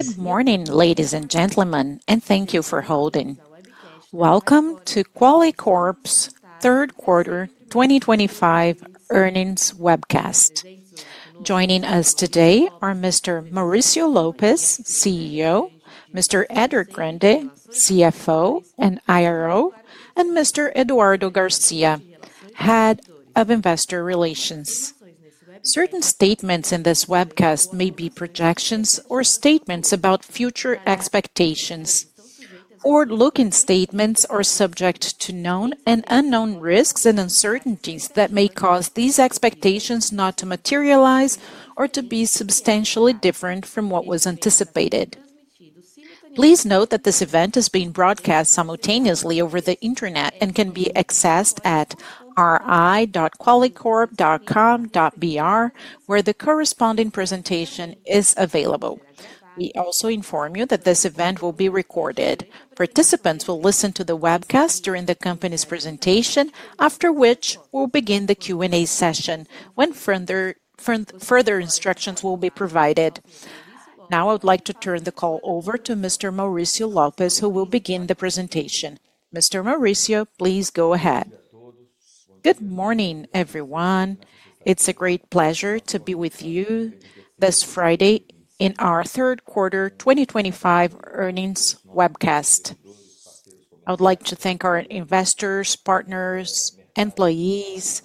Good morning ladies and gentlemen and thank you for holding. Welcome to Qualicorp's third quarter 2025 earnings webcast. Joining us today are Mr. Mauricio Lopes, CEO, Mr. Eder Grande, CFO and IRO, and Mr. Eduardo Garcia, Head of Investor Relations. Certain statements in this webcast may be projections or statements about future expectations. Forward looking statements are subject to known and unknown risks and uncertainties that may cause these expectations not to materialize or to be substantially different from what was anticipated. Please note that this event is being broadcast simultaneously over the Internet and can be accessed at ri.qualicorp.com.br where the corresponding presentation is available. We also inform you that this event will be recorded. Participants will listen to the webcast during the company's presentation, after which we will begin the Q and A session when further instructions will be provided. Now I would like to turn the call over to Mr. Mauricio Lopes who will begin the presentation. Mr. Mauricio, please go ahead. Good morning everyone. It's a great pleasure to be with you this Friday in our third quarter 2025 earnings webcast. I would like to thank our investors, partners, employees,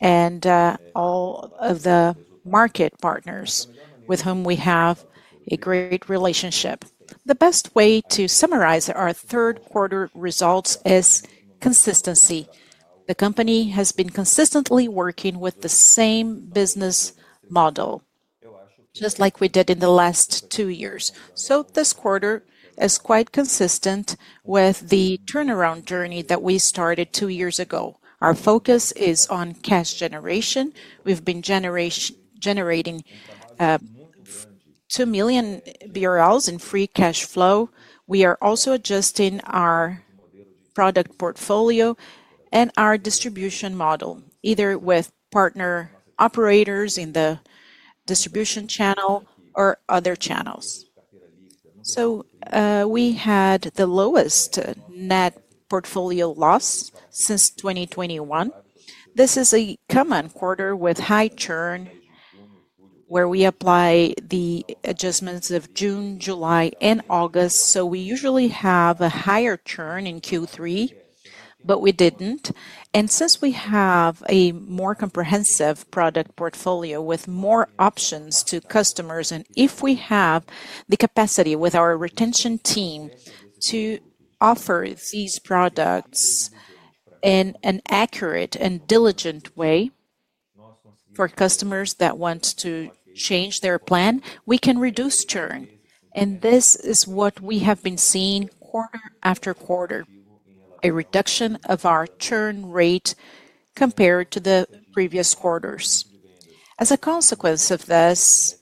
and all of the market partners with whom we have a great relationship. The best way to summarize our third quarter results is consistency. The company has been consistently working with the same business model just like we did in the last two years. This quarter is quite consistent with the turnaround journey that we started two years ago. Our focus is on cash generation. We've been generating 2 million BRL in free cash flow. We are also adjusting our product portfolio and our distribution model either with partner operators in the distribution channel or other channels. We had the lowest net portfolio loss since 2021. This is a common quarter with high churn where we apply the adjustments of June, July, and August. We usually have a higher churn in Q3, but we did not. Since we have a more comprehensive product portfolio with more options to customers, and if we have the capacity with our retention team to offer these products in an accurate and diligent way for customers that want to change their plan, we can reduce churn. This is what we have been seeing quarter after quarter, a reduction of our churn rate compared to the previous quarters. As a consequence of this,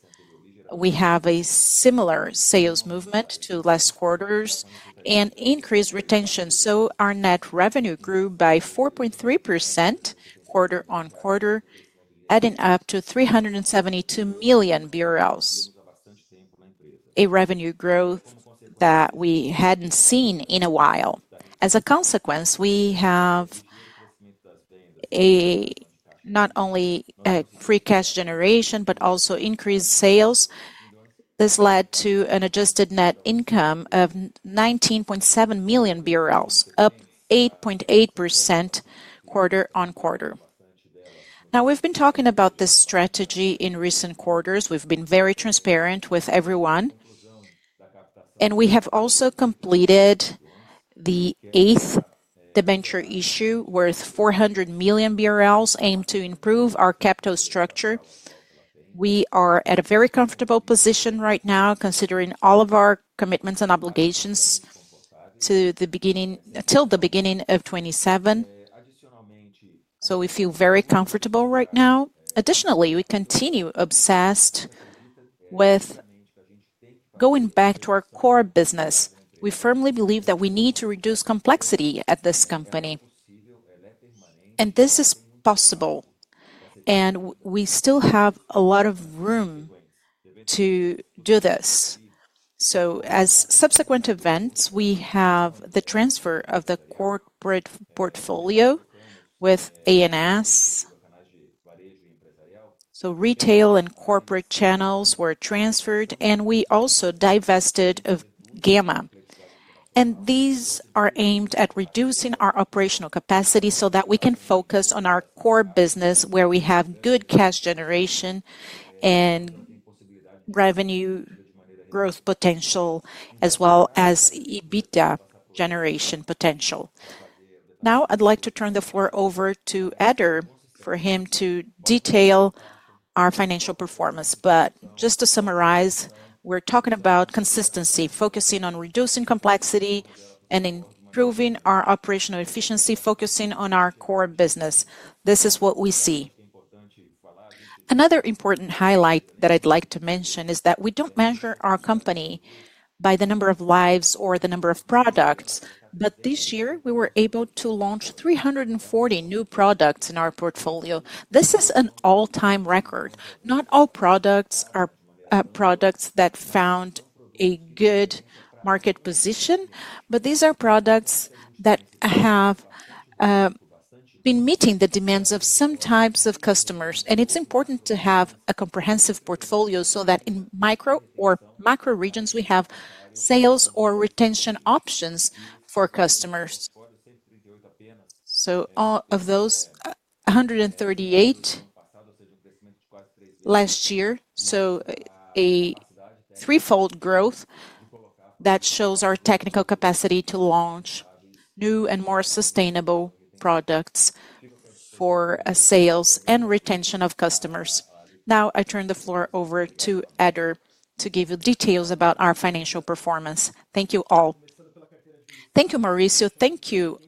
we have a similar sales movement to last quarters and increased retention. Our net revenue grew by 4.3% quarter-on-quarter, adding up to 372 million BRL, a revenue growth that we had not seen in a while. As a consequence, we have not only free cash generation but also increased sales. This led to an adjusted net income of 19.7 million BRL, up 8.8% quarter-on-quarter. Now, we have been talking about this strategy in recent quarters. We have been very transparent with everyone, and we have also completed the 8th debenture issue worth 400 million BRL aimed to improve our capital structure. We are at a very comfortable position right now considering all of our commitments and obligations till the beginning of 2027. We feel very comfortable right now. Additionally, we continue obsessed with going back to our core business. We firmly believe that we need to reduce complexity at this company and this is possible and we still have a lot of room to do this. As subsequent events, we have the transfer of the core corporate portfolio with ANS. Retail and corporate channels were transferred and we also divested of Gamma. These are aimed at reducing our operational capacity so that we can focus on our core business where we have good cash generation and revenue growth potential as well as EBITDA generation potential. Now I'd like to turn the floor over to Eder for him to detail our financial performance. Just to summarize, we're talking about consistency, focusing on reducing complexity and improving our operational efficiency, focusing on our core business. This is what we see. Another important highlight that I'd like to mention is that we don't measure our company by the number of lives or the number of products. But this year we were able to launch 340 new products in our portfolio. This is an all time record. Not all products are products that found a good market position, but these are products that have been meeting the demands of some types of customers. It's important to have a comprehensive portfolio so that in micro or macro regions we have sales or retention options for customers. All of those 138 last year. So a threefold growth that shows our technical capacity to launch new and more sustainable products for sales and retention of customers. Now I turn the floor over to Eder to give you details about our financial performance. Thank you all. Thank you Mauricio. Thank you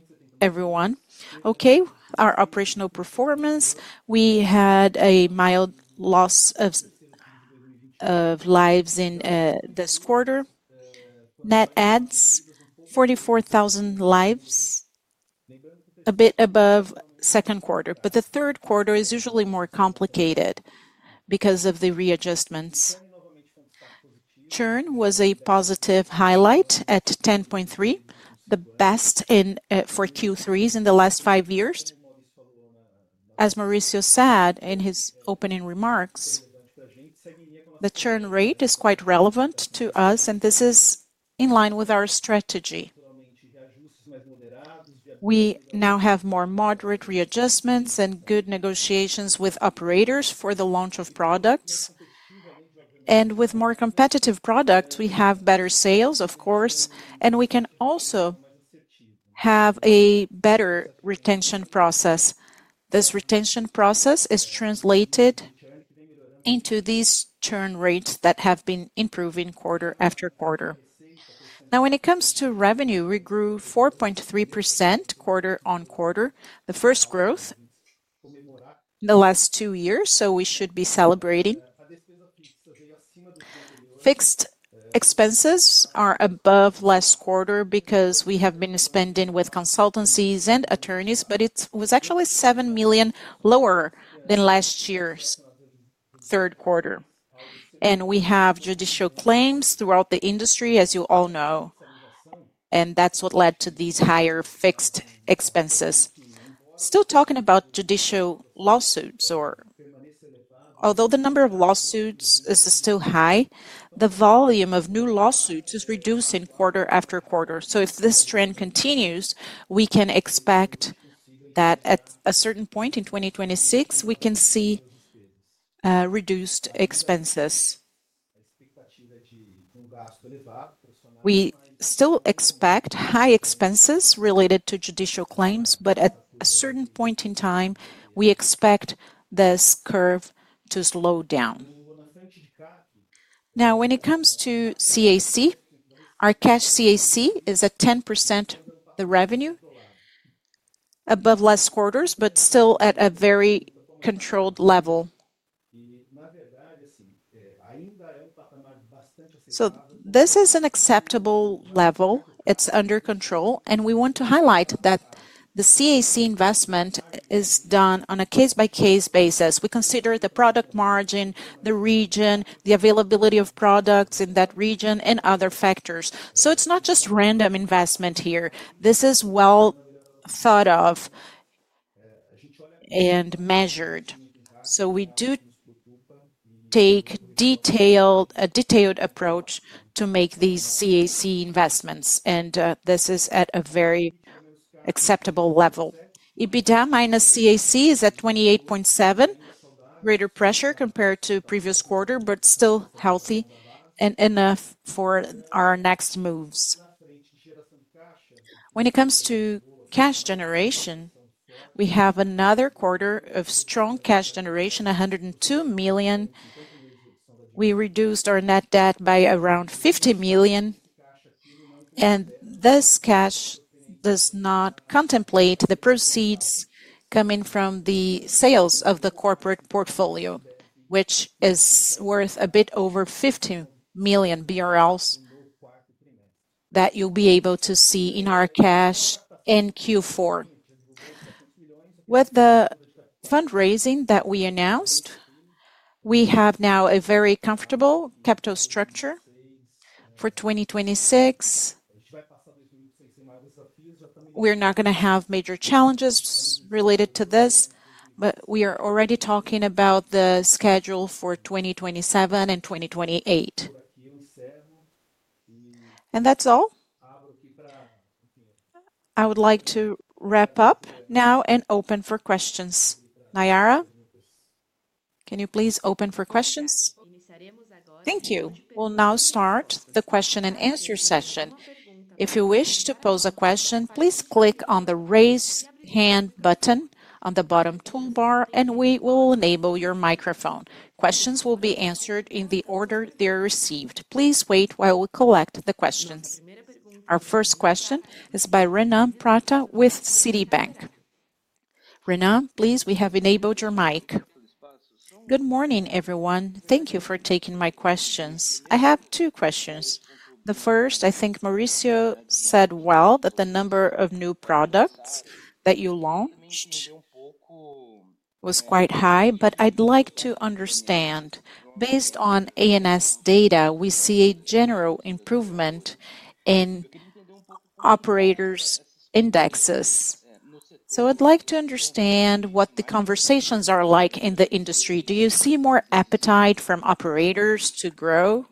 everyone. Okay, our operational performance, we had a mild loss of lives in this quarter. Net adds 44,000 lives, a bit above second quarter. The third quarter is usually more complicated because of the readjustments. Churn was a positive highlight at 10.3%, the best for Q3s in the last five years. As Mauricio said in his opening remarks, the churn rate is quite relevant to us. This is in line with our strategy, we now have more moderate readjustments and good negotiations with operators for the launch of products. With more competitive products, we have better sales, of course, and we can also have a better retention process. This retention process is translated into these churn rates that have been improving quarter after quarter. Now, when it comes to revenue, we grew 4.3% quarter-on-quarter, the first growth in the last two years. We should be celebrating fixed expenses are above last quarter because we have been spending with consultancies and attorneys, but it was actually 7 million lower than last year's third quarter. We have judicial claims throughout the industry, as you all know, and that is what led to these higher fixed expenses. Still talking about judicial lawsuits, although the number of lawsuits is still high, the volume of new lawsuits is reducing quarter after quarter. If this trend continues, we can expect that at a certain point in 2026 we can see reduced expenses. We still expect high expenses related to judicial claims, but at a certain point in time we expect this curve to slow down. Now, when it comes to CAC, our cash CAC is at 10% of the revenue above last quarter's, but still at a very controlled level. This is an acceptable level. It's under control and we want to highlight that the CAC investment is done on a case-by-case basis. We consider the product margin, the region, the availability of products in that region, and other factors. It is not just random investment here. This is well thought of and measured. We do take a detailed approach to make these CAC investments. This is at a very acceptable level. EBITDA minus CAC is at 28.7 million. Greater pressure compared to previous quarter, but still healthy and enough for our next moves. When it comes to cash generation, we have another quarter of strong cash generation, 102 million. We reduced our net debt by around 50 million and this cash does not contemplate the proceeds coming from the sales of the corporate portfolio, which is worth a bit over 15 million BRL that you'll be able to see in our cash in Q4. With the fundraising that we announced, we have now a very comfortable capital structure for 2026. We're not going to have major challenges related to this, but we are already talking about the schedule for 2027 and 2028 and that's all. I would like to wrap up now and open for questions. Nayara, can you please open for questions? Thank you. We'll now start the question-and-answer session. If you wish to pose a question, please click on the raise hand button on the bottom toolbar and we will enable your microphone. Questions will be answered in the order they are received. Please wait while we collect the questions. Our first question is by Renan Prata with Citibank. Renan, please. We have enabled your mic. Good morning everyone. Thank you for taking my questions. I have two questions. The first, I think Mauricio said well that the number of new products that you launched was quite high. I would like to understand, based on ANS data, we see a general improvement in operators' indexes. I would like to understand what the conversations are like in the industry. Do you see more appetite from operators to grow?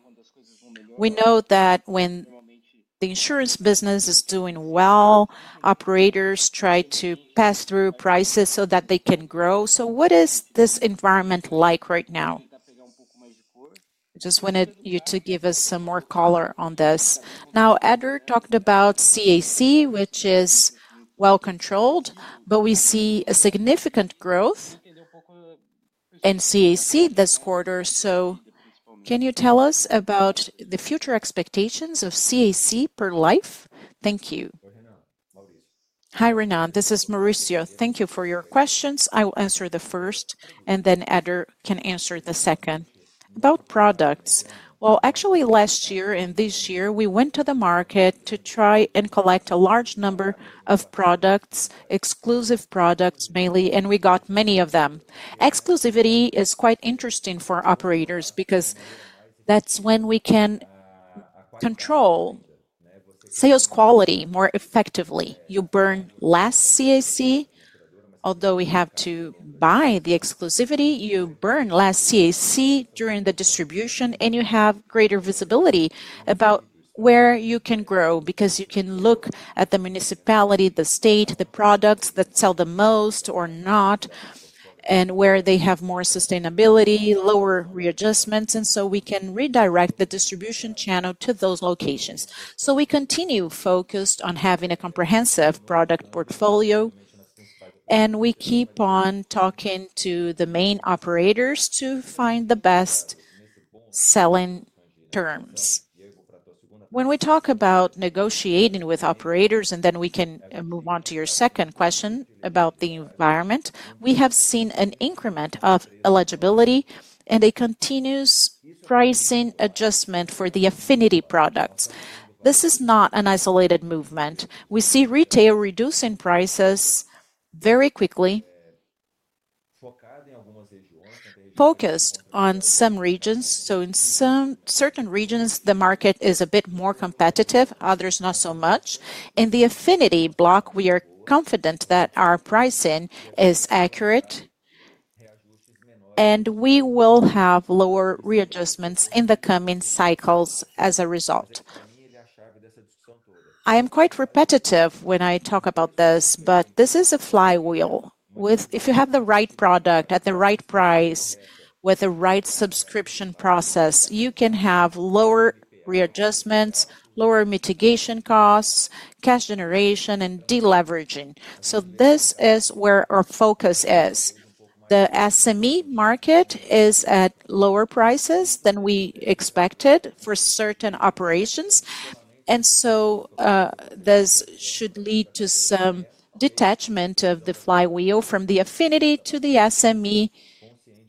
We know that when the insurance business is doing well, operators try to pass through prices so that they can grow. What is this environment like right now? I just wanted you to give us some more color on this. Now Eder talked about CAC which is well controlled, but we see a significant growth in CAC this quarter. Can you tell us about the future expectations of CAC per life? Thank you. Hi Renan, this is Mauricio. Thank you for your questions. I will answer the first and then Eder can answer the second about products. Actually, last year and this year we went to the market to try and collect a large number of products, exclusive products mainly, and we got many of them. Exclusivity is quite interesting for operators because that is when we can control sales quality more effectively. You burn less CAC, although we have to buy the exclusivity, you burn less CAC during the distribution and you have greater visibility about where you can grow because you can look at the municipality, the state, the products that sell the most or not, not and where they have more sustainability, lower readjustments. We can redirect the distribution channel to those locations. We continue focused on having a comprehensive product portfolio and we keep on talking to the main operators to find the best selling terms. When we talk about negotiating with operators and then we can move on to your second question about the environment. We have seen an increment of eligibility and a continuous pricing adjustment for the affinity products. This is not an isolated movement. We see retail reducing prices very quickly focused on some regions. In certain regions the market is a bit more competitive, others not so much. In the affinity block, we are confident that our pricing is accurate and we will have lower readjustments in the coming cycles as a result. I am quite repetitive when I talk about this, but this is a flywheel. If you have the right product at the right price, with the right subscription process, you can have lower readjustments, lower mitigation costs, cash generation, and deleveraging. This is where our focus is. The SME market is at lower prices than we expected for certain operations, and this should lead to some detachment of the flywheel from the affinity to the SME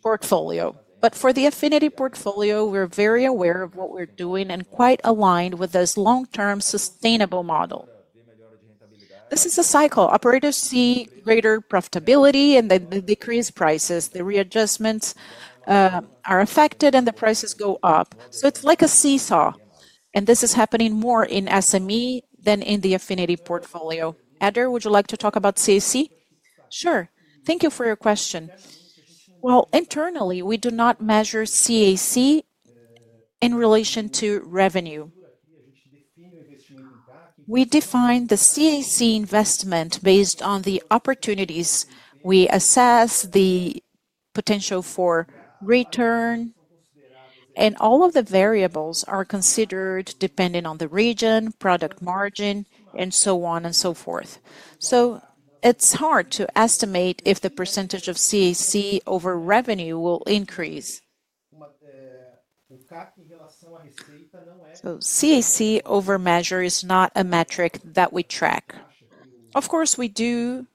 portfolio. For the affinity portfolio, we are very aware of what we are doing and quite aligned with this long term sustainable model. This is a cycle. Operators see greater profitability and they decrease prices. The readjustments are affected and the prices go up. It is like a seesaw. This is happening more in SME than in the affinity portfolio. Eder, would you like to talk about CAC? Sure. Thank you for your question. Internally we do not measure CAC in relation to revenue. We define the CAC investment based on the opportunities, we assess the potential for return, and all of the variables are considered depending on the region, product margin, and so on and so forth. It is hard to estimate if the percentage of CAC over revenue will increase. CAC over measure is not a metric that we track. Of course, we do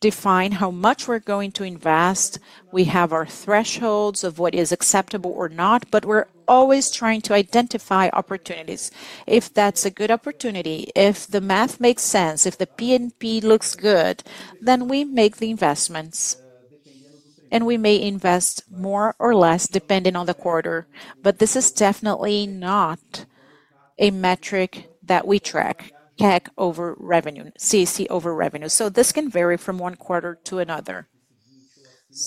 define how much we are going to invest. We have our thresholds of what is acceptable or not. We are always trying to identify opportunities. If that's a good opportunity, if the math makes sense, if the PNP looks good, then we make the investment and we may invest more or less, depending on the quarter. This is definitely not a metric that we track. CAC over revenue, CAC over revenue. This can vary from one quarter to another.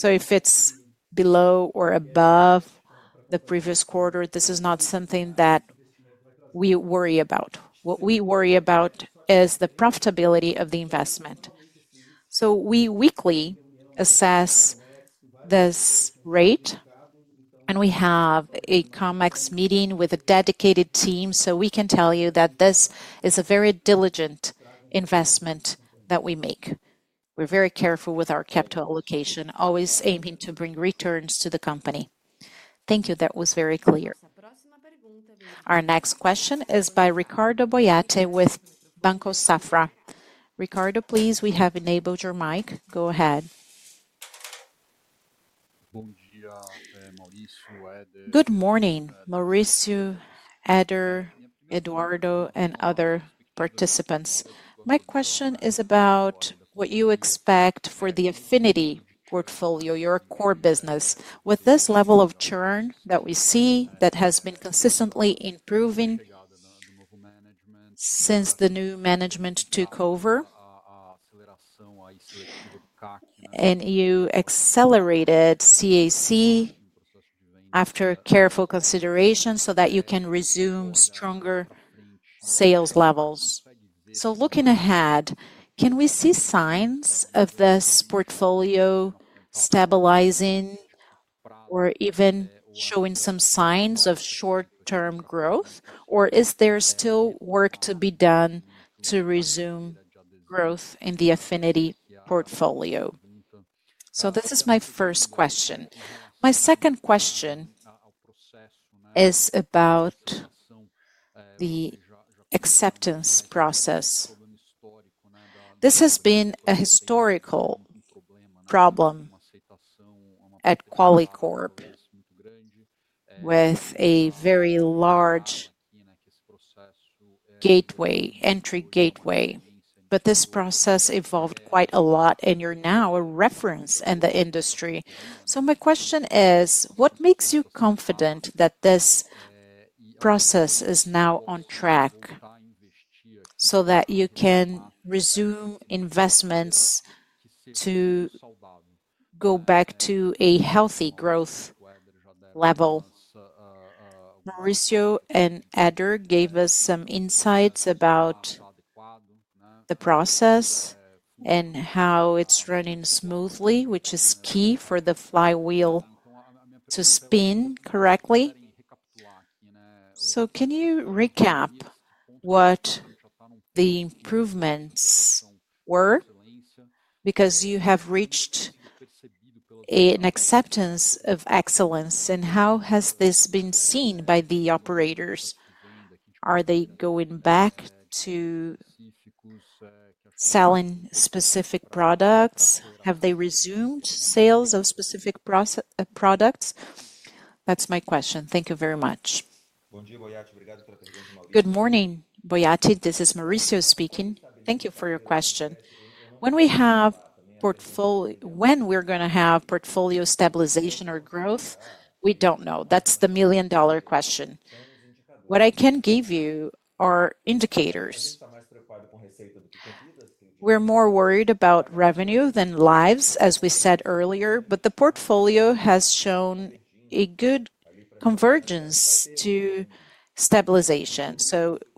If it's below or above the previous quarter, this is not something that we worry about. What we worry about is the profitability of the investment. We weekly assess this rate and we have a COMEX meeting with a dedicated team. We can tell you that this is a very diligent investment that we make. We're very careful with our capital allocation, always aiming to bring returns to the company. Thank you. That was very clear. Our next question is by Ricardo Boiati with Banco Safra. Ricardo, please. We have enabled your mic. Go ahead. Good morning. Mauricio, Eder, Eduardo and other participants. My question is about what you expect for the affinity portfolio, your core business with this level of churn that we see that has been consistently improving since the new management took over and you accelerated CAC after careful consideration so that you can resume stronger sales levels. Looking ahead, can we see signs of this portfolio stabilizing or even showing some signs of short term growth or is there still work to be done to resume growth in the affinity portfolio? This is my first question. My second question is about the acceptance process. This has been a historical problem at Qualicorp with a very large gateway entry gateway. This process evolved quite a lot and you're now a reference in the industry. My question is, what makes you confident that this process is now on track so that you can resume investments to go back to a healthy growth level? Mauricio and Eder gave us some insights about the process and how it is running smoothly, which is key for the flywheel to spin correctly. Can you recap what the improvements were because you have reached an acceptance of excellence? How has this been seen by the operators? Are they going back to selling specific products? Have they resumed sales of specific products? That is my question. Thank you very much. Good morning, Boiati, this is Mauricio speaking. Thank you for your question. When we are going to have portfolio stabilization or growth, we do not know. That is the million dollar question. What I can give you are indicators. We are more worried about revenue than lives, as we said earlier. The portfolio has shown a good convergence to stabilization.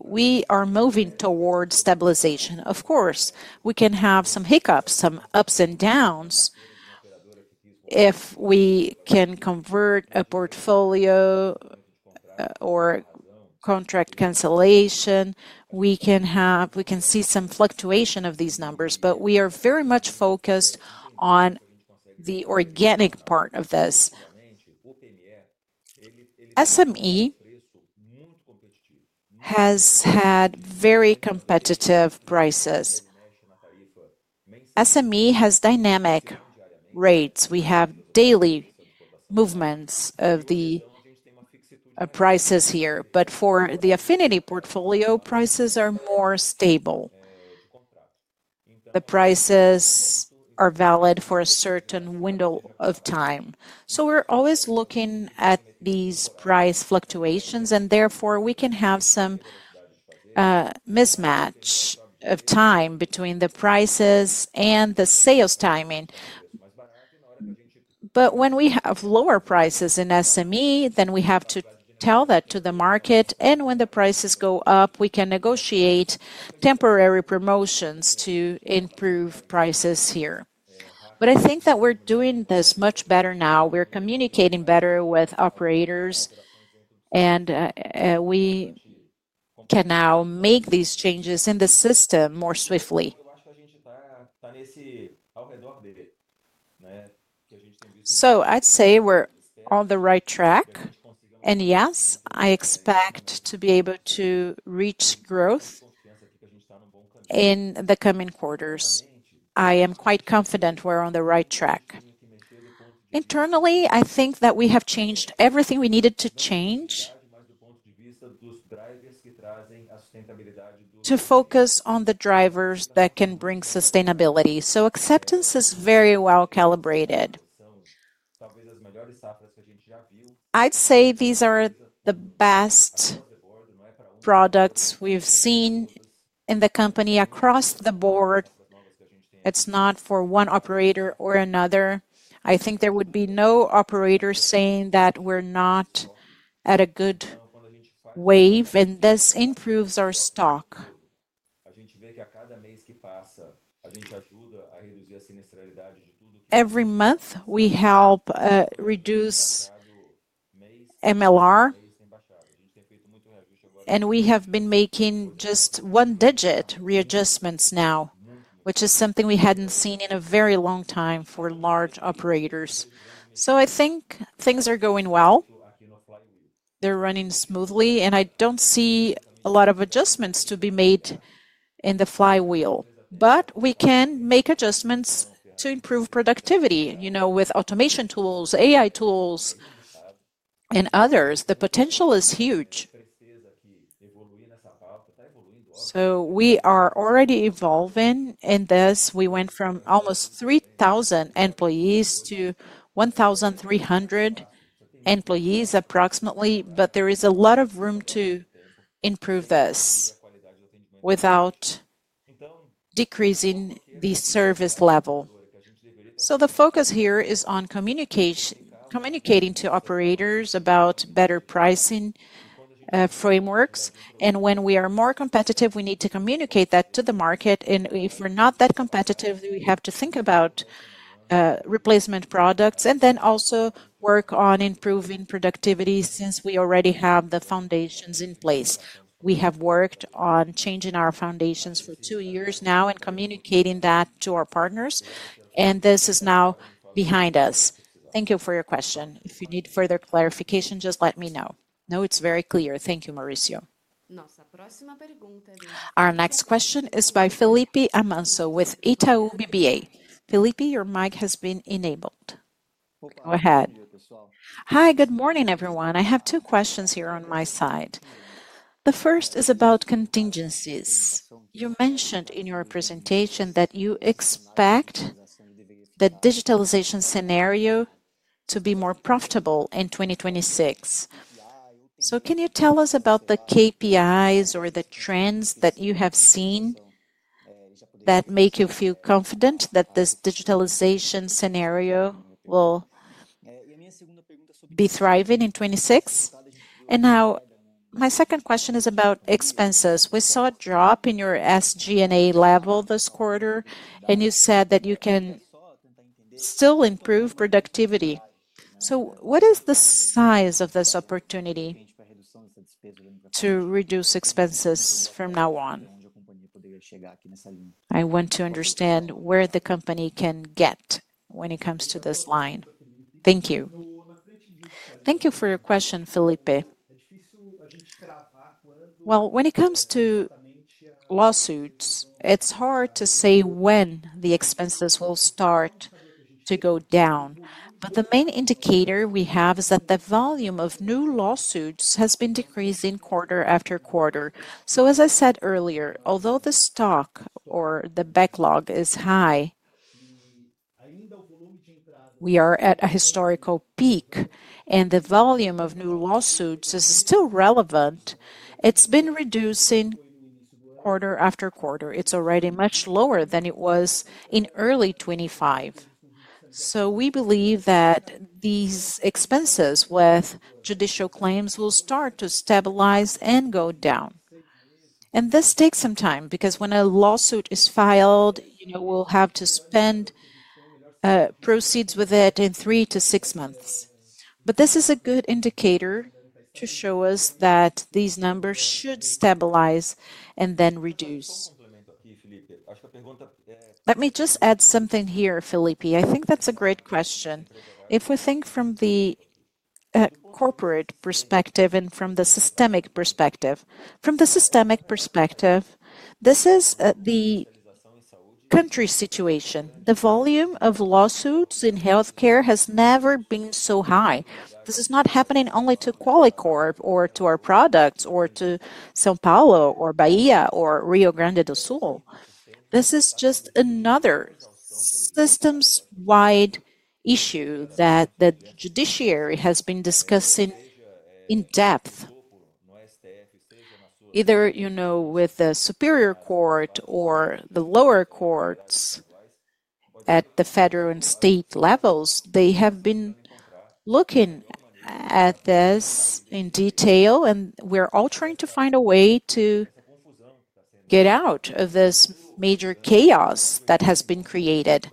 We are moving towards stabilization. Of course, we can have some hiccups, some ups and downs. If we can convert a portfolio or contract cancellation, we can have. We can see some fluctuation of these numbers. We are very much focused on the organic part of this. SME has had very competitive prices. SME has dynamic rates. We have daily movements of the prices here. For the affinity portfolio, prices are more stable. The prices are valid for a certain window of time. We are always looking at these price fluctuations and therefore we can have some mismatch of time between the prices and the sales timing. When we have lower prices in SME, then we have to tell that to the market. When the prices go up, we can negotiate temporary promotions to improve prices here. I think that we're doing this much better now. We're communicating better with operators and we can now make these changes in the system more swiftly. I'd say we're on the right track. Yes, I expect to be able to reach growth in the coming quarters. I am quite confident we're on the right track internally. I think that we have changed everything we needed to change to focus on the drivers that can bring sustainability. Acceptance is very well calibrated. I'd say these are the best products we've seen in the company across the board. It's not for one operator or another. I think there would be no operator saying that we're not at a good wave and this improves our stock every month. We help reduce MLR and we have been making just one-digit readjustments now, which is something we had not seen in a very long time for large operators. I think things are going well. They are running smoothly and I do not see a lot of adjustments to be made in the flywheel. We can make adjustments to improve productivity. You know, with automation tools, AI tools, and others. The potential is huge. We are already evolving in this. We went from almost 3,000 employees to 1,300 employees approximately. There is a lot of room to improve this without decreasing the service level. The focus here is on communicating to operators about better pricing frameworks. When we are more competitive, we need to communicate that to the market. If we're not that competitive, we have to think about replacement products and then also work on improving productivity. Since we already have the foundations in place, we have worked on changing our foundations for two years now and communicating that to our partners. This is now behind us. Thank you for your question. If you need further clarification, just let me know. No, it's very clear. Thank you, Mauricio. Our next question is by Felipe Amancio with Itaú BBA. Felipe, your mic has been enabled. Go ahead. Hi, good morning everyone. I have two questions here on my side. The first is about contingencies. You mentioned in your presentation that you expect the digitalization scenario to be more profitable in 2026. Can you tell us about the KPIs or the trends that you have seen that make you feel confident that this digitalization scenario will be thriving in 2026? My second question is about expenses. We saw a drop in your SGA level this quarter and you said that you can still improve productivity. What is the size of this opportunity to reduce expenses? From now on, I want to understand where the company can get when it comes to this line. Thank you. Thank you for your question, Felipe. When it comes to lawsuits, it's hard to say when the expenses will start to go down. The main indicator we have is that the volume of new lawsuits has been decreasing quarter after quarter. As I said earlier, although the stock or the backlog is high, we are at a historical peak and the volume of new lawsuits is still relevant. It has been reducing quarter after quarter. It is already much lower than it was in early 2025. We believe that these expenses with judicial claims will start to stabilize and go down. This takes some time because when a lawsuit is filed, we will have to spend proceeds with it in three to six months. This is a good indicator to show us that these numbers should stabilize and then reduce. Let me just add something here, Felipe. I think that is a great question. If we think from the corporate perspective and from the systemic perspective. From the systemic perspective, this is the country situation. The volume of lawsuits in health care has never been so high. This is not happening only to Qualicorp or to our products, or to São Paulo or Bahia or Rio Grande do Sul. This is just another system-wide issue that the judiciary has been discussing in depth, either, you know, with the Superior Court or the lower courts at the federal and state levels. They have been looking at this in detail and we're all trying to find a way to get out of this major chaos that has been created.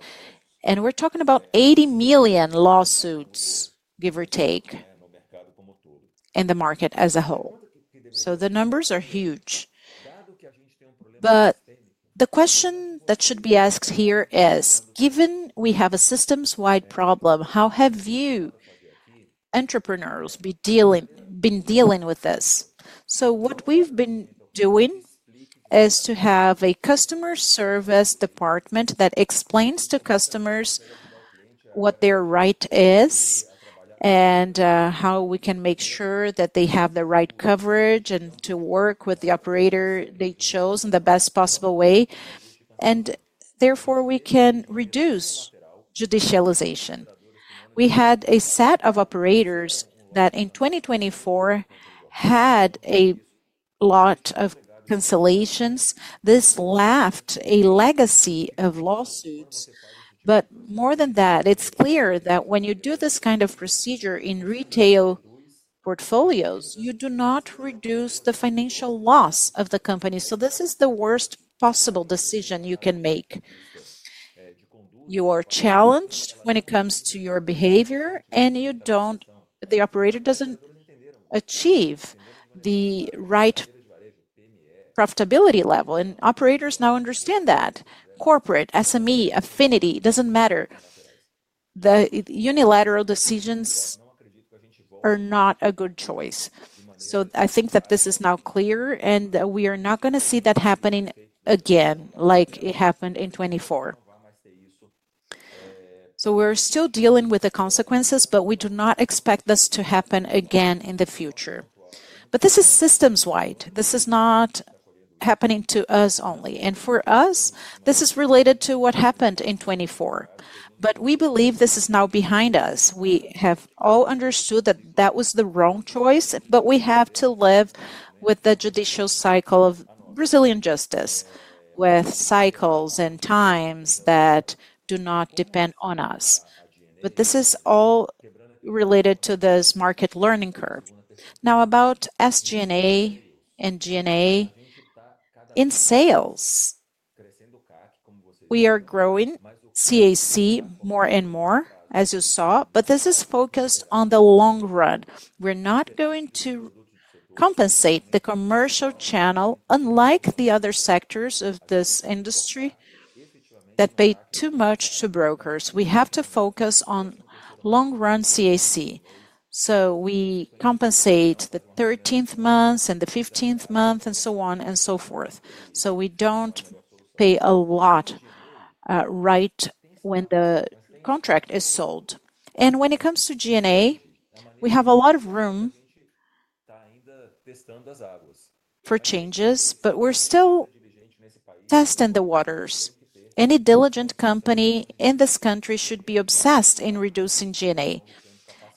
We are talking about 80 million lawsuits, give or take, in the market as a whole. The numbers are huge. The question that should be asked here is, given we have a system-wide problem, how have you entrepreneurs been dealing with this? What we've been doing is to have a customer service department that explains to customers what their right is and how we can make sure that they have the right coverage and to work with the operator they chose in the best possible way. Therefore, we can reduce judicialization. We had a set of operators that in 2024 had a lot of cancellations. This left a legacy of lawsuits. More than that, it's clear that when you do this kind of procedure in retail portfolios, you do not reduce the financial loss of the company. This is the worst possible decision you can make. You are challenged when it comes to your behavior, and the operator does not achieve the right profitability level. Operators now understand that corporate, SME, affinity, it does not matter. The unilateral decisions are not a good choice. I think that this is now clear and we are not going to see that happening again like it happened in 2024. We are still dealing with the consequences, but we do not expect this to happen again in the future. This is systems wide. This is not happening to us only. For us this is related to what happened in 2024. We believe this is now behind us. We have all understood that that was the wrong choice. We have to live with the judicial cycle of Brazilian justice, with cycles and times that do not depend on us. This is all related to this market learning curve. Now, about SGA and GNA in sales, we are growing CAC more and more as you saw. This is focused on the long run. We are not going to compensate the commercial channel. Unlike the other sectors of this industry that pay too much to brokers, we have to focus on long run CAC. We compensate the 13th month and the 15th month and so on and so forth. We do not pay a lot right when the contract is sold. When it comes to GNA, we have a lot of room for changes, but we are still testing the waters. Any diligent company in this country should be obsessed in reducing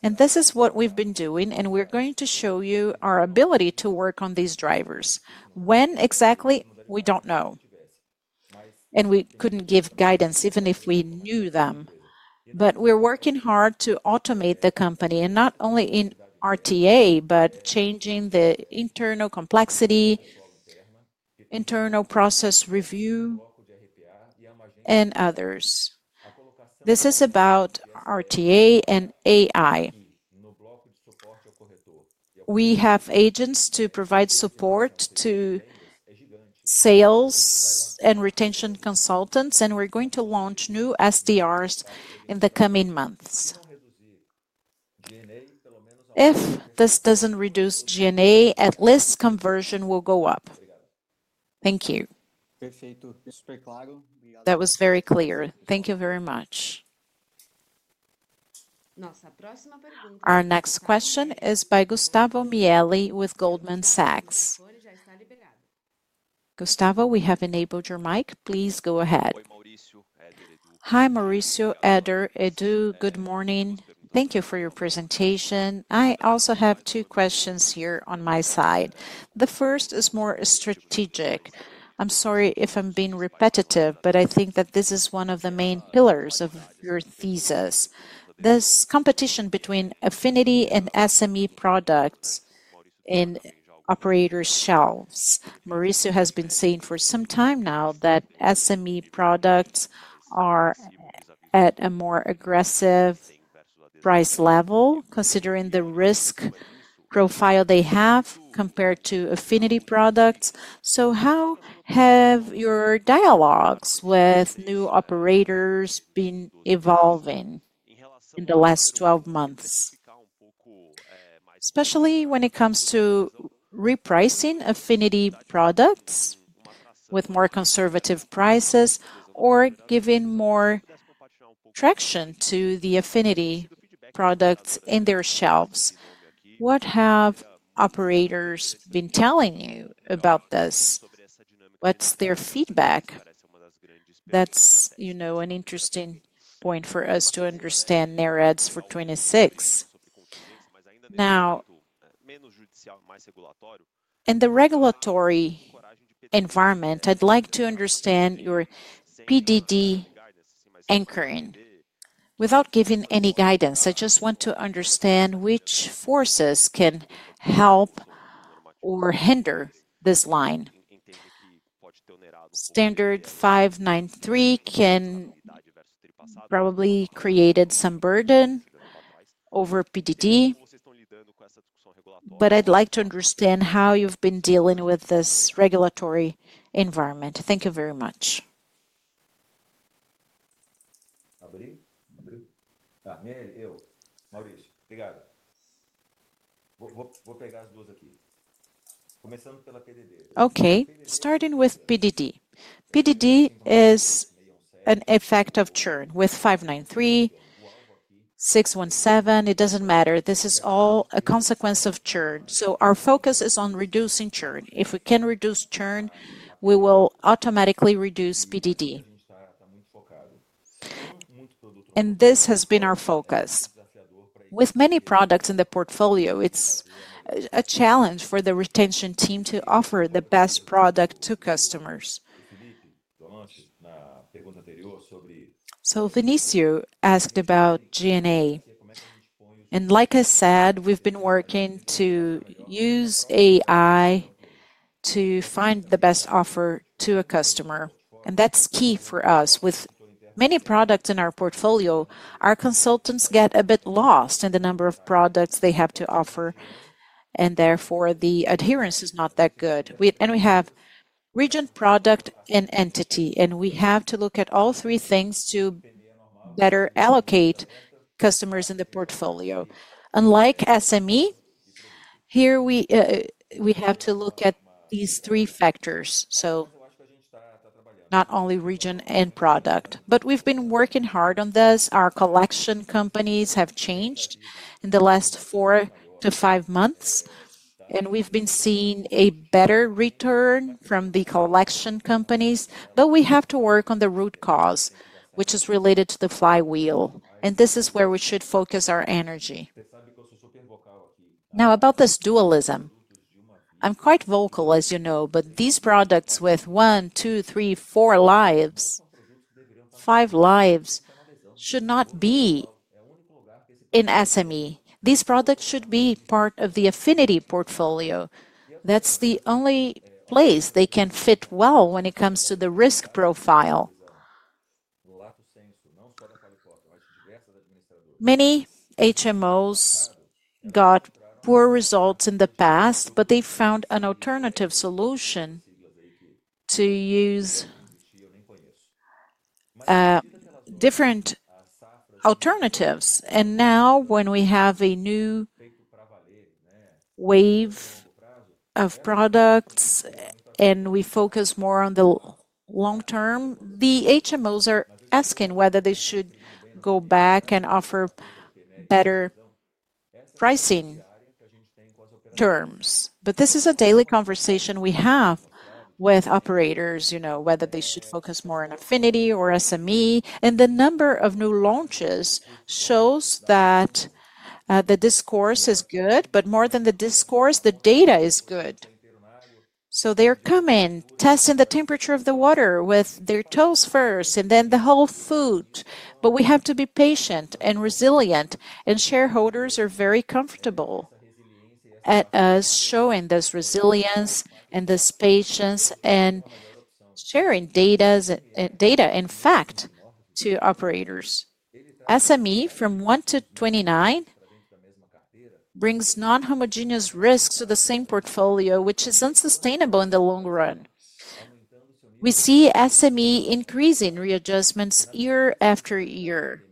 GNA. This is what we have been doing and we are going to show you our ability to work on these drivers. When exactly we do not know and we could not give guidance even if we knew them. We are working hard to automate the company and not only in RTA, but changing the internal complexity, internal process review and others. This is about RTA and AI. We have agents to provide support to sales and retention consultants. We are going to launch new SDRs in the coming months. If this does not reduce GNA, at least conversion will go up. Thank you. That was very clear. Thank you very much. Our next question is by Gustavo Mieli with Goldman Sachs. Gustavo, we have enabled your mic. Please go ahead. Hi Mauricio, Eder, Edu. Good morning. Thank you for your presentation. I also have two questions here on my side. The first is more strategic. I am sorry if I am being repetitive, but I think that this is one of the main pillars of your thesis. This competition between affinity and SME products in operators' shelves. Mauricio has been saying for some time now that SME products are at a more aggressive price level considering the risk profile they have compared to affinity products. How have your dialogues with new operators been evolving in the last 12 months? Especially when it comes to repricing affinity products with more conservative prices or giving more traction to the affinity products in their shelves. What have operators been telling you about this? What's their feedback? That's, you know, an interesting point for us to understand. Nerads for 26 now in the regulatory environment. I'd like to understand your PDD anchoring without giving any guidance. I just want to understand which forces can help or hinder this line. Standard 593 can probably create some burden over PDD, but I'd like to understand how you've been dealing with this regulatory environment. Thank you very much. Okay, starting with PDD. PDD is an effect of churn with 593, 617, it doesn't matter. This is all a consequence of churn. Our focus is on reducing churn. If we can reduce churn, we will automatically reduce PDD. This has been our focus. With many products in the portfolio, it is a challenge for the retention team to offer the best product to customers. Vinicio asked about GNA and like I said, we have been working to use AI to find the best offer to a customer and that is key for us. With many products in our portfolio, our consultants get a bit lost in the number of products they have to offer and therefore the adherence is not that good. We have region, product, and entity. We have to look at all three things to better allocate customers in the portfolio. Unlike SME here, we have to look at these three factors, not only region and product, but we have been working hard on this. Our collection companies have changed in the last four to five months and we've been seeing a better return from the collection companies. We have to work on the root cause, which is related to the flywheel, and this is where we should focus our energy. Now, about this dualism, I'm quite vocal, as you know, but these products with one, two, three, four lives, five lives should not be in SME. These products should be part of the affinity portfolio. That's the only place they can fit well when it comes to the risk profile. Many HMOs got poor results in the past, but they found an alternative solution to use different alternatives. Now when we have a new wave of products and we focus more on the long term, the HMOs are asking whether they should go back and offer better pricing terms. This is a daily conversation we have with operators. You know, whether they should focus more on affinity or SME. The number of new launches shows that the discourse is good. More than the discourse, the data is good. They are coming, testing the temperature of the water with their toes first and then the whole foot. We have to be patient and resilient, and shareholders are very comfortable with us showing this resilience and this patience and sharing data. In fact, to operators, SME from 1 to 29 brings non-homogeneous risks to the same portfolio, which is unsustainable in the long run. We see SME increasing readjustments year after year.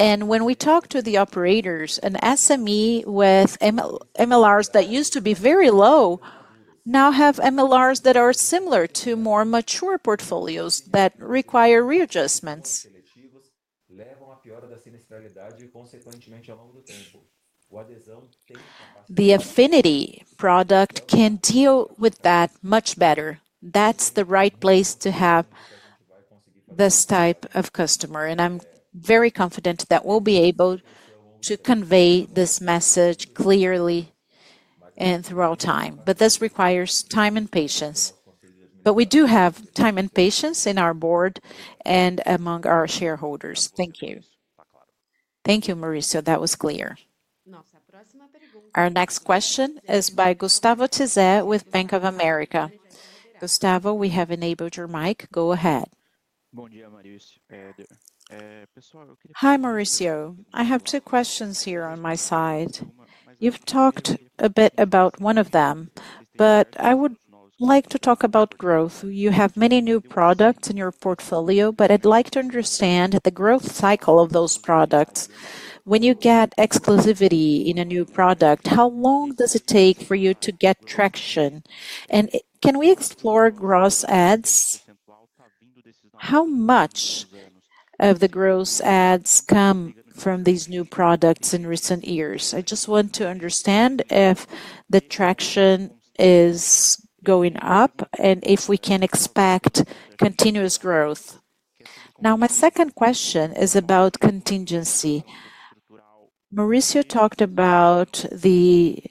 When we talk to the operators, an SME with MLRs that used to be very low now have MLRs that are similar to more mature portfolios that require readjustments. The affinity product can deal with that much better. That's the right place to have this type of customer. I'm very confident that we'll be able to convey this message clearly and throughout time. This requires time and patience. We do have time and patience in our board and among our shareholders. Thank you. Thank you, Mauricio. That was clear. Our next question is by Gustavo Tiseo with Bank of America. Gustavo, we have enabled your mic. Go ahead. Hi, Mauricio. I have two questions here on my side. You've talked a bit about one of them, but I would like to talk about growth. You have many new products in your portfolio, but I'd like to understand the growth cycle of those products. When you get exclusivity in a new product, how long does it take for you to get traction? Can we explore gross adds? How much of the gross adds come from these new products in recent years? I just want to understand if the traction is going up and if we can expect continuous growth now. My second question is about contingency. Mauricio talked about the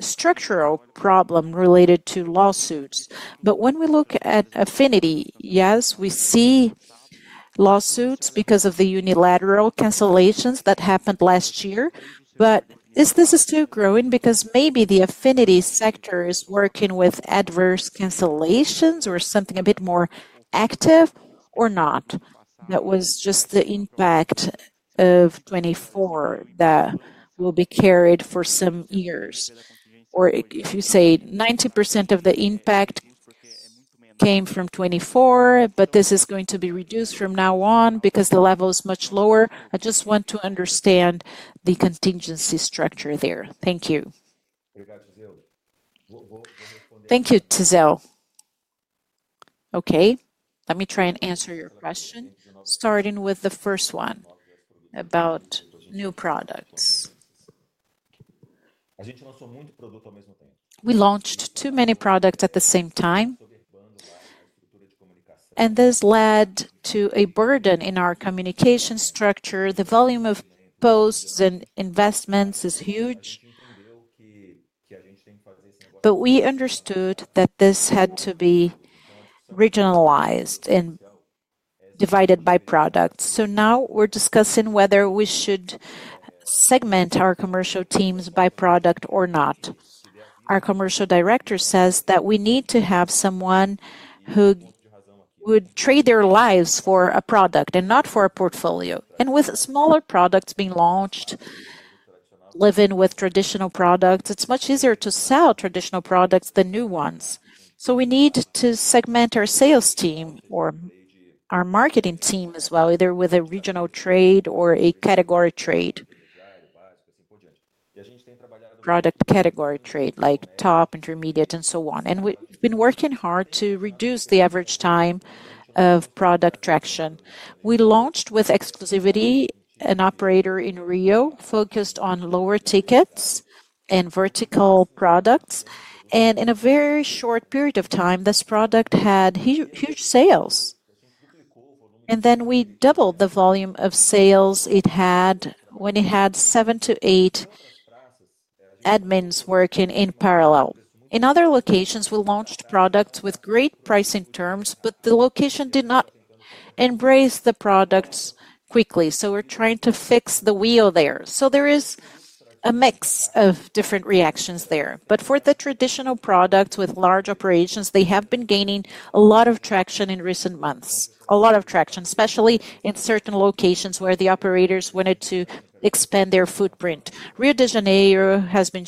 structural problem related to lawsuits. When we look at affinity, yes, we see lawsuits because of the unilateral cancellations that happened last year. Is this still growing because maybe the affinity sector is working with adverse cancellations or something a bit more active or not? That was just the impact of 2024 that will be carried for some years. If you say 90% of the impact came from 2024, this is going to be reduced from now on because the level is much lower. I just want to understand the contingency structure there. Thank you. Thank you, Tiseo. Okay, let me try and answer your question, starting with the first one about new products. We launched too many products at the same time, and this led to a burden in our communication structure. The volume of posts and investments is huge. We understood that this had to be regionalized and divided by product. Now we're discussing whether we should segment our commercial teams by product or not. Our Commercial Director says that we need to have someone who would trade their lives for a product and not for a portfolio. With smaller products being launched, living with traditional products, it's much easier to sell traditional products than new ones. We need to segment our sales team or our marketing team as well, either with a regional trade or a category trade. Product category trade like top, intermediate, and so on. We have been working hard to reduce the average time of product traction. We launched with exclusivity, an operator in Rio focused on lower tickets and vertical products. In a very short period of time, this product had huge sales. We doubled the volume of sales it had when it had seven to eight admins working in parallel in other locations. We launched products with great pricing terms, but the location did not embrace the products quickly. We are trying to fix the wheel there. There is a mix of different reactions there. For the traditional products with large operations, they have been gaining a lot of traction in recent months. A lot of traction, especially in certain locations where the operators wanted to expand their footprint. Rio de Janeiro has been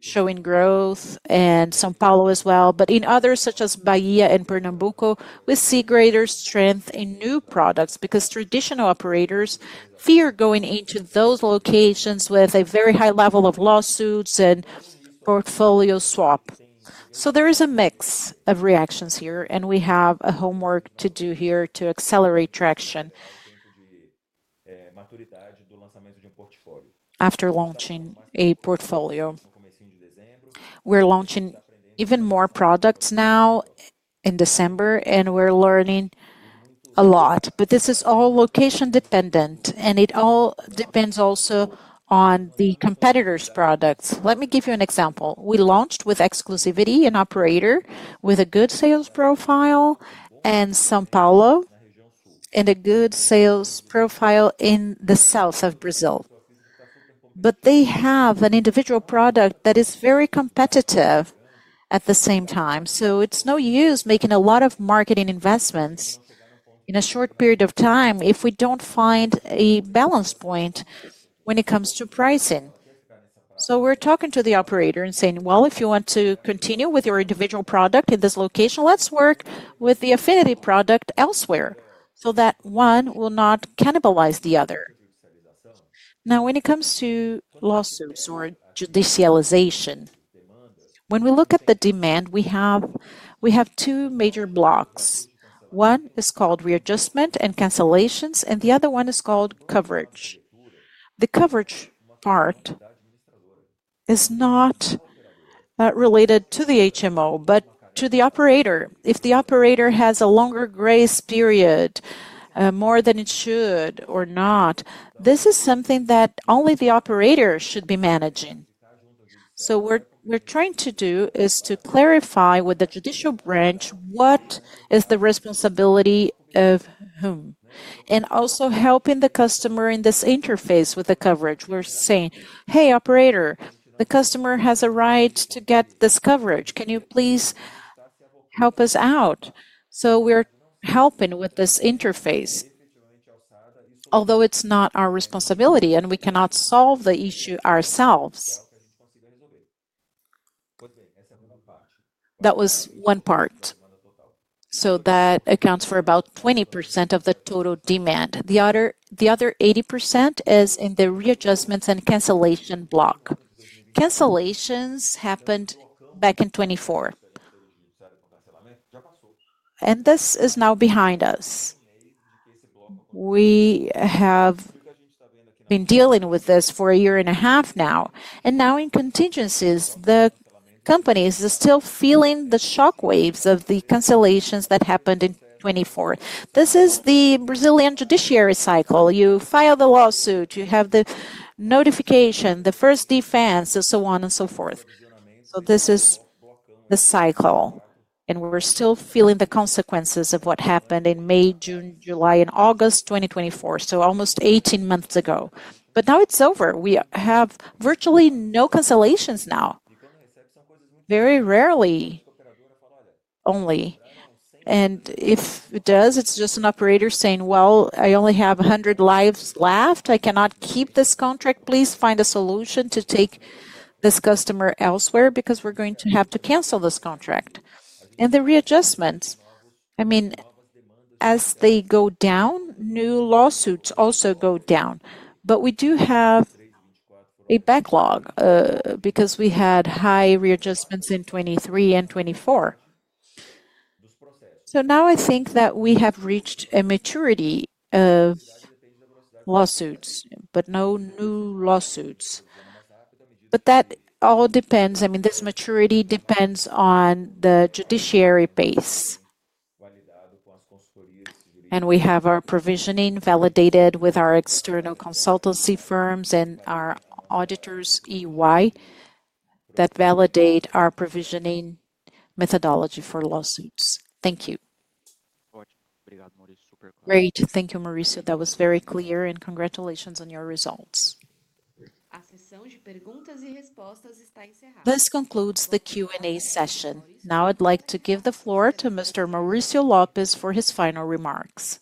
showing growth and São Paulo as well. In others, such as Bahia and Pernambuco, we see greater strength in new products because traditional operators fear going into those locations with a very high level of lawsuits and portfolio swap. There is a mix of reactions here and we have a homework to do here to accelerate traction after launching a portfolio. We are launching even more products now in December and we are learning a lot. This is all location dependent and it all depends also on the competitors' products. Let me give you an example. We launched with exclusivity an operator with a good sales profile in São Paulo and a good sales profile in the south of Brazil. They have an individual product that is very competitive at the same time. It is no use making a lot of marketing investments in a short period of time if we do not find a balance point when it comes to pricing. We are talking to the operator and saying, if you want to continue with your individual product in this location, let's work with the affinity product elsewhere so that one will not cannibalize the other. Now, when it comes to lawsuits or judicialization, when we look at the demand, we have two major blocks. One is called readjustment and cancellations and the other one is called coverage. The coverage part is not related to the HMO but to the operator. If the operator has a longer grace period more than it should or not, this is something that only the operator should be managing. What we're trying to do is to clarify with the judicial branch what is the responsibility of whom, and also helping the customer in this interface with the coverage. We're saying, hey operator, the customer has a right to get this coverage. Can you please help us out? We're helping with this interface, although it's not our responsibility and we cannot solve the issue ourselves. That was one part. That accounts for about 20% of the total demand. The other 80% is in the readjustments and cancellation block. Cancellations happened back in 2024 and this is now behind us. We have been dealing with this for a year and a half now. Now in contingencies, the companies are still feeling the shockwaves of the cancellations that happened in 2024. This is the Brazilian judiciary cycle. You file the lawsuit, you have the notification, the first defense, and so on and so forth. This is the cycle. We are still feeling the consequences of what happened in May, June, July, and August 2024, so almost 18 months ago. Now it is over. We have virtually no cancellations now, very rarely only. If it does, it is just an operator saying, I only have 100 lives left, I cannot keep this contract. Please find a solution to take this customer elsewhere because we are going to have to cancel this contract. The readjustments, I mean, as they go down, new lawsuits also go down. We do have a backlog because we had high readjustments in 2023 and 2024. Now I think that we have reached a maturity of lawsuits, but no new lawsuits. That all depends. I mean, this maturity depends on the judiciary base. And we have our provisioning validated with our external consultancy firms and our auditors, EY that validate our provisioning methodology for lawsuits. Thank you. Great. Thank you, Mauricio. That was very clear. Congratulations on your results. This concludes the Q and A session. Now I'd like to give the floor to Mr. Mauricio Lopes for his final remarks.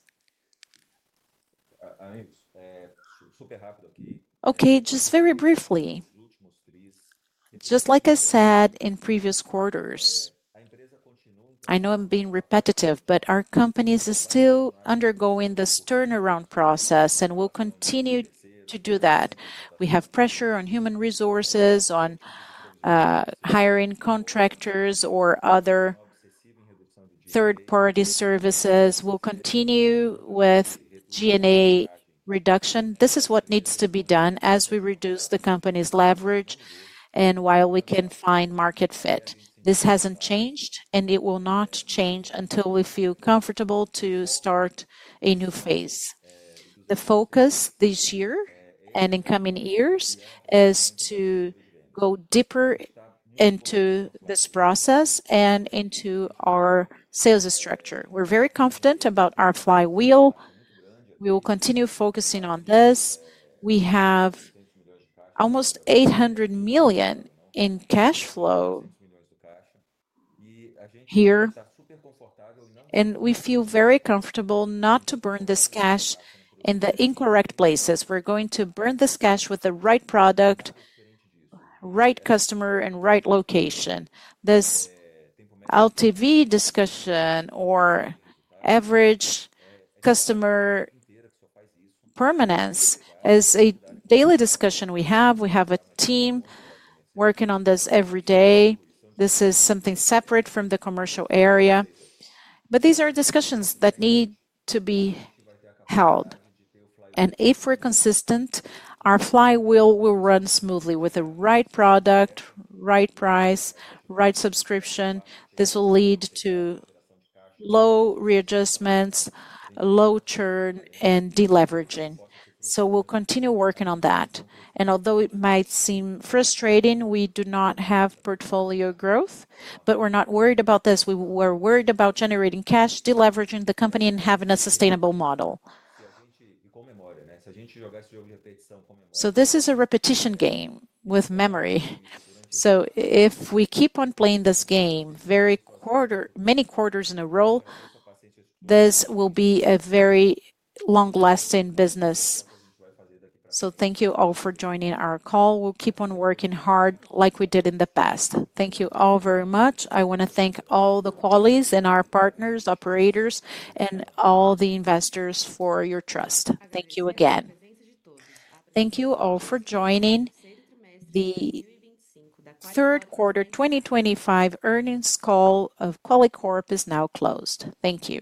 Okay, just very briefly, just like I said in previous quarters, I know I'm being repetitive, but our companies are still undergoing this turnaround process and we'll continue to do that. We have pressure on human resources, on hiring contractors or other third party services. We'll continue with GNA reduction. This is what needs to be done as we reduce the company's leverage. While we can find market fit, this has not changed and it will not change until we feel comfortable to start a new phase. The focus this year and in coming years is to go deeper into this process and into our sales structure. We are very confident about our flywheel. We will continue focusing on this. We have almost 800 million in cash flow here and we feel very comfortable not to burn this cash in the incorrect places. We are going to burn this cash with the right product, right customer, and right location. This LTV discussion or average customer permanence is a daily discussion. We have a team working on this every day. This is something separate from the commercial area, but these are discussions that need to be held and if we are consistent, our flywheel will run smoothly. With the right product, right price, right subscription, this will lead to low readjustments, low churn and deleveraging. We will continue working on that and although it might seem frustrating, we do not have portfolio growth but we are not worried about this. We were worried about generating cash, deleveraging the company and having a sustainable model. This is a repetition game with memory. If we keep on playing this game many quarters in a row, this will be a very long lasting business. Thank you all for joining our call. We will keep on working hard like we did in the past. Thank you all very much. I want to thank all the qualys and our partners, operators and all the investors for your trust. Thank you again. Thank you all for joining. The third quarter 2025 earnings call of Qualicorp is now closed. Thank you.